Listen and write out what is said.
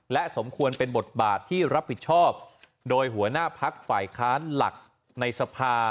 และสมควรเป็นบทบาทที่รับผิดชอบโดยหัวหน้าพักฝ่ายค้านหลักในสภา